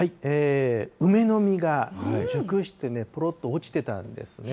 梅の実が熟して、ぽろっと落ちてたんですね。